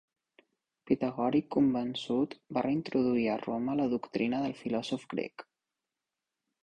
Pitagòric convençut, va reintroduir a Roma la doctrina del filòsof grec.